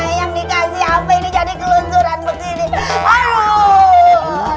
aduh yang dikasih apa ini jadi kelencuran begini